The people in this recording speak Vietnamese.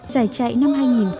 giải chạy năm hai nghìn một mươi bảy